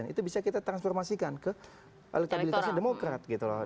itu bisa kita transformasikan ke elektabilitasnya demokrat gitu loh